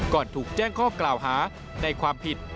ถูกแจ้งข้อกล่าวหาในความผิด